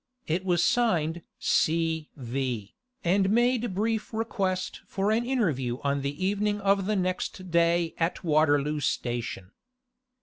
It was signed 'C. V.,' and made brief request for an interview on the evening of the next day at Waterloo Station.